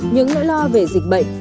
những lỗi lo về dịch bệnh